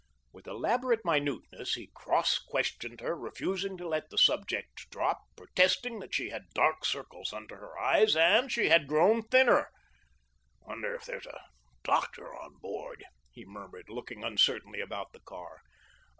With elaborate minuteness, he cross questioned her, refusing to let the subject drop, protesting that she had dark circles under her eyes; that she had grown thinner. "Wonder if there's a doctor on board," he murmured, looking uncertainly about the car.